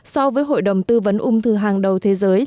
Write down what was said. so với hội đồng tư vấn ung thư hàng đầu thế giới